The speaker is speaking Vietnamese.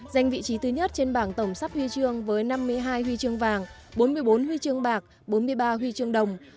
giành vị trí thứ nhất trên bảng tổng sắp huy chương với năm mươi hai huy chương vàng bốn mươi bốn huy chương bạc bốn mươi ba huy chương đồng